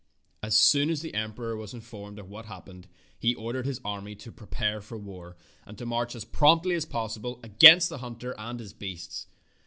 As soon as the emperor was informed of what had happened, he ordered his army to prepare for war and to march as promptly as possible against the hunter and his beasts.